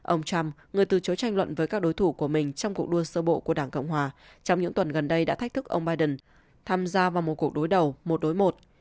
ông trump người từ chối tranh luận với các đối thủ của mình trong cuộc đua sơ bộ của đảng cộng hòa trong những tuần gần đây đã thách thức ông biden tham gia vào một cuộc đối đầu một đối một